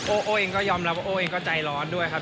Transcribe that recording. โอ้เองก็ยอมรับว่าโอ้เองก็ใจร้อนด้วยครับ